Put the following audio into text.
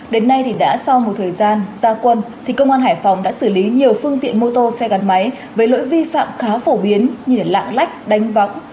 đến nay thì đã sau một thời gian ra quân thì công an hải phòng đã xử lý nhiều phương tiện mô tô xe gắn máy với lỗi vi phạm khá phổ biến như lạng lách đánh vắng